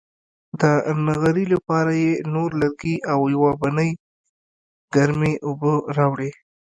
د نغري لپاره یې نور لرګي او یوه بدنۍ ګرمې اوبه راوړې.